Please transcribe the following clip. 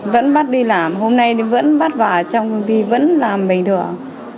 vẫn bắt đi làm hôm nay vẫn bắt vào trong công ty vẫn làm bình thường